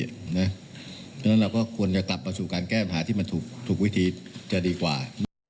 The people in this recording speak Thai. เพราะฉะนั้นเราก็ควรจะกลับมาสู่การแก้ปัญหาที่มันถูกวิธีจะดีกว่า